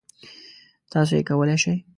تاسو یې کولی شئ!